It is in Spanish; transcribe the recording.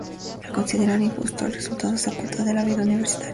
Al considerar injusto el resultado, se aparta de la vida universitaria.